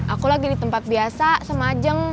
aku lagi di tempat biasa semajeng